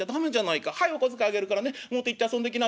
はいお小遣いあげるからね表行って遊んできな』ってね